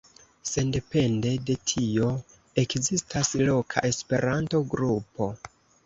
Sendepende de tio, ekzistas loka Esperanto-grupo.